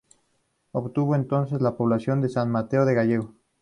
Obtuvo entonces la población de San Mateo de Gállego.